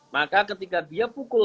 maka ketika dia pukul